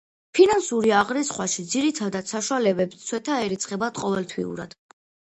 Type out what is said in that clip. ფინანსური აღრიცხვაში ძირითად საშუალებებს ცვეთა ერიცხებათ ყოველთვიურად.